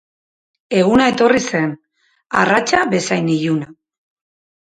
Eguna etorri zen, arratsa bezain iluna.